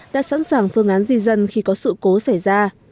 đã sẵn sàng phương án di dân khi có sự cố xảy ra